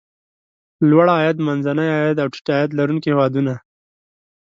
لوړ عاید، منځني عاید او ټیټ عاید لرونکي هېوادونه.